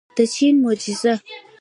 د چین معجزه.